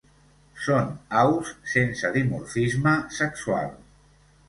Són aus sense dimorfisme sexual.